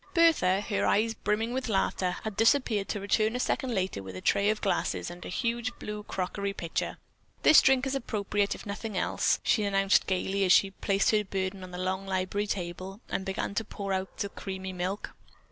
Bertha, her eyes brimming with laughter, had disappeared to return a second later with a tray of glasses and a huge blue crockery pitcher. "This drink is appropriate, if nothing else," she announced gaily as she placed her burden on the long library table and began to pour out the creamy milk.